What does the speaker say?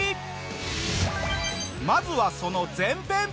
まずはその前編。